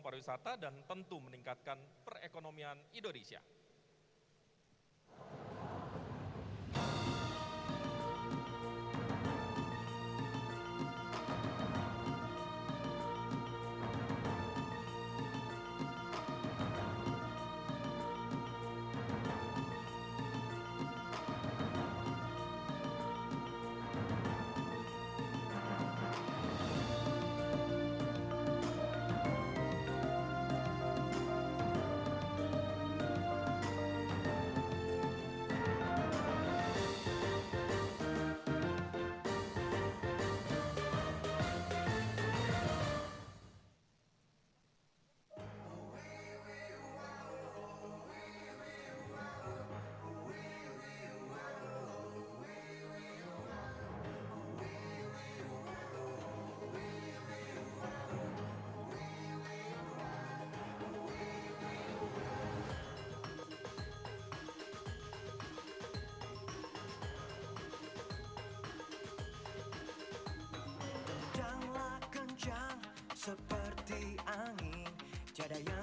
pon ke sembilan di kota bandung